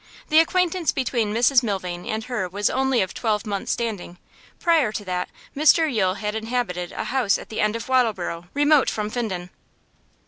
The acquaintance between Mrs Milvain and her was only of twelve months' standing; prior to that, Mr Yule had inhabited a house at the end of Wattleborough remote from Finden.